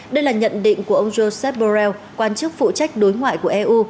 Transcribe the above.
đây là nhận định của ông joseph borrell quan chức phụ trách đối ngoại của eu